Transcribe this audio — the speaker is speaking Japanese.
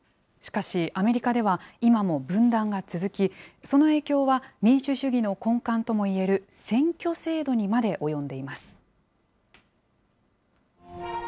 しかしアメリカでは、今も分断が続き、その影響は民主主義の根幹ともいえる選挙制度にまで及んでいます。